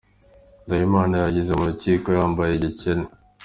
Ndahimana yagiye mu rukiko yambaye gikene.